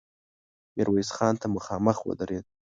ميرويس خان ته مخامخ ودرېد.